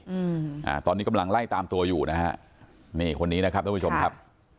อืมอ่าตอนนี้กำลังไล่ตามตัวอยู่นะฮะนี่คนนี้นะครับทุกผู้ชมครับ